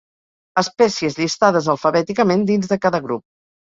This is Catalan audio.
Espècies llistades alfabèticament dins de cada grup.